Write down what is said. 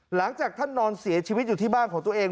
หลังจากท่านนอนเสียชีวิตอยู่ที่บ้านของตัวเอง